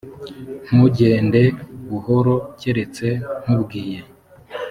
ntugende buhoro keretse nkubwiye